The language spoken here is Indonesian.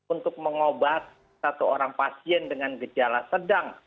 untuk mengobat satu orang pasien dengan gejala sedang